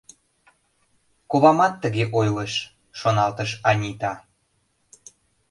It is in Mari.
«Ковамат тыге ойлыш, — шоналтыш Анита.